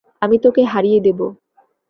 আমি তোকে হারিয়ে দেবো।